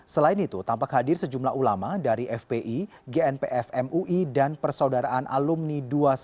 selain itu tampak hadir sejumlah ulama dari fpi gnpf mui dan persaudaraan alumni dua ratus dua belas